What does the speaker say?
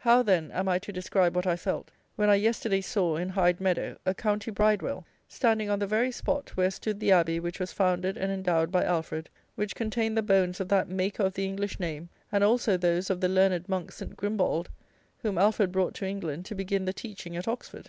How, then, am I to describe what I felt, when I yesterday saw in Hyde Meadow, a county bridewell, standing on the very spot, where stood the Abbey which was founded and endowed by Alfred, which contained the bones of that maker of the English name, and also those of the learned monk, St. Grimbald, whom Alfred brought to England to begin the teaching at Oxford!